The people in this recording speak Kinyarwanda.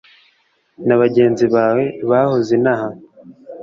na bagenzi bawe. Bahoze inaha